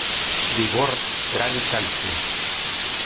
Vigor Trani Calcio".